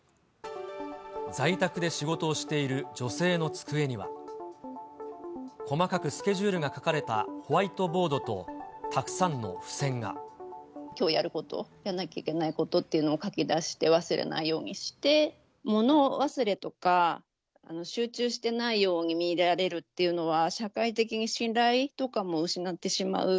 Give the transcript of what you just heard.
在宅で仕事をしている女性の机には、細かくスケジュールが書かれたホワイトボードと、たくさんの付箋きょうやること、やんなきゃいけないことっていうのを書き出して忘れないようにして、物忘れとか、集中してないように見られるというのは、社会的に信頼とかも失ってしまう。